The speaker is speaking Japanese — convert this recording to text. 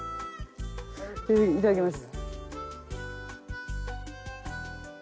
いただきます。